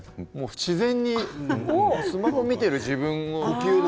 自然に、スマホを見ている自分を。